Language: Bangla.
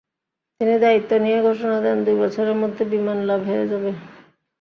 তিনি দায়িত্ব নিয়েই ঘোষণা দেন, দুই বছরের মধ্যে বিমান লাভে যাবে।